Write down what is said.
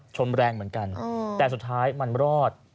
ชนแรงเหมือนกันแต่สุดท้ายมันรอด